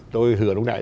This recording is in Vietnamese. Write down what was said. tôi hứa lúc nãy